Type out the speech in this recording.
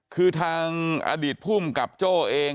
คือทางอดีตภูมิกับโจ้เอง